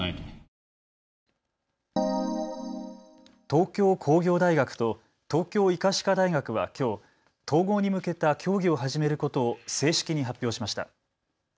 東京工業大学と東京医科歯科大学はきょう、統合に向けた協議を始めることを正式に発表しました。